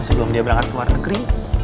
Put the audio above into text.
sebelum dia berangkat ke luar negeri